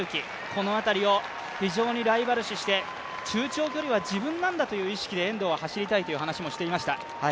この辺りを非常にライバル視して、中長距離は自分なんだという意識で遠藤は走りたいという話をしていました。